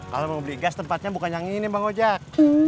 kalau mau beli gas tempatnya bukan yang ini bang ojek